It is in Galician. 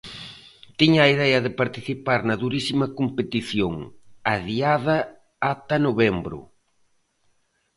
Tiña a idea de participar na durísima competición, adiada ata novembro.